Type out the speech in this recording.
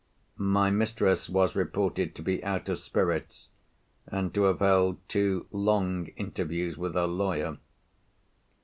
My mistress was reported to be out of spirits, and to have held two long interviews with her lawyer.